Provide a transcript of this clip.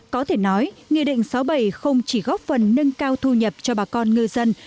có thể nói nghị định sáu bảy không chỉ góp phần nâng cao thu nhập cho bà con ngư dân